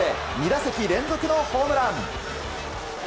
２打席連続のホームラン。